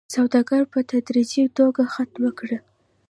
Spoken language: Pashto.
سوداګري په تدريجي توګه ختمه کړي